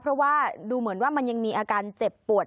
เพราะว่าดูเหมือนว่ามันยังมีอาการเจ็บปวด